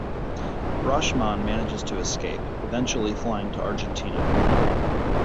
Roschmann manages to escape, eventually flying to Argentina.